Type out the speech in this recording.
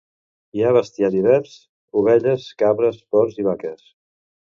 Hi ha bestiar divers: ovelles, cabres, porcs i vaques.